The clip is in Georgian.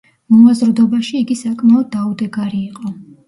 მოაზრდობაში იგი საკმაოდ დაუდეგარი იყო.